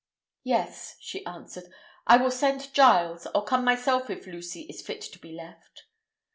"Yes," she answered. "I will send Giles, or come myself if Lucy is fit to be left."